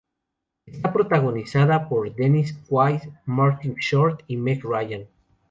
Está protagonizada por Dennis Quaid, Martin Short y Meg Ryan.